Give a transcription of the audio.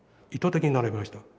意図的に並べました。